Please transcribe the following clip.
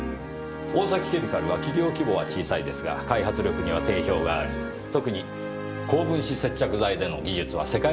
大崎ケミカルは企業規模は小さいですが開発力には定評があり特に高分子接着剤での技術は世界レベルだそうです。